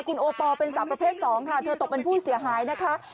คุณโอปอลเป็นสาวประเภท๒ค่ะเธอตกเป็นผู้เสียหายนะคะ